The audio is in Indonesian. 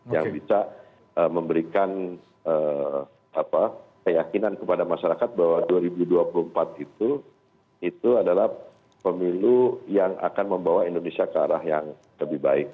yang bisa memberikan keyakinan kepada masyarakat bahwa dua ribu dua puluh empat itu adalah pemilu yang akan membawa indonesia ke arah yang lebih baik